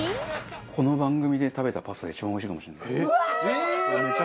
この番組で食べたパスタで一番おいしいかもしれない。